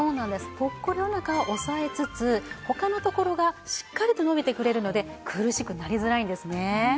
ポッコリお腹を押さえつつ他のところがしっかりと伸びてくれるので苦しくなりづらいんですね。